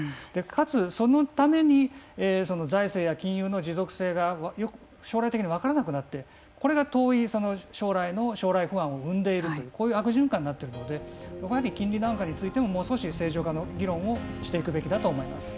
かつそのために財政や金融の持続性が将来的に分からなくなってこれが遠い将来の将来不安を生んでいるというこういう悪循環になっているのでそこはやはり金利段階についてももう少し正常化の議論をしていくべきだと思います。